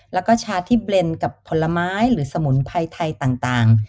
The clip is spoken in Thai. แล้วก็ชาที่เบลนด์กับผลไม้หรือสมุนไพรไทยต่าง